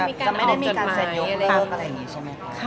ก็ไม่ได้มีการเซ็นยกเลิกอะไรอย่างนี้ใช่ไหมคะ